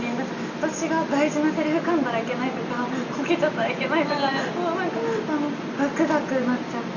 私が大事なセリフかんだらいけないとかこけちゃったらいけないとかもう何かガクガクなっちゃって。